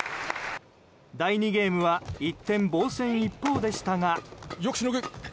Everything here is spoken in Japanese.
第２ゲームは一転防戦一方でしたが。